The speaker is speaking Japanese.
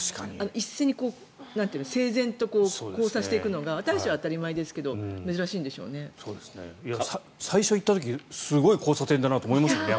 一斉に整然と交差していくのが私たちは当たり前ですけど最初行った時すごい交差点だなと思いましたもんね。